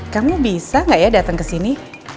kamu bisa gak ya dateng kesini